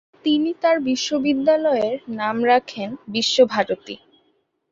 তিনি তার বিদ্যালয়ের নাম রাখেন বিশ্বভারতী।